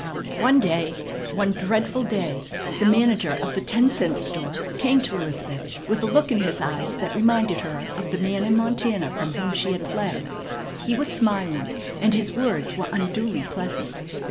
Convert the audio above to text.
One day, one dreadful day, the manager of the ten cent store came to Elizabeth with a look in his eyes that reminded her of the man in Montana from whom she had fled. He was smiling, and his words were unduly pleasant.